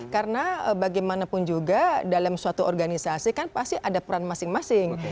karena bagaimanapun juga dalam suatu organisasi kan pasti ada peran masing masing